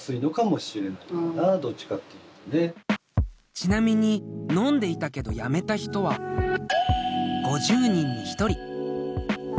ちなみに飲んでいたけどやめた人は５０人に１人。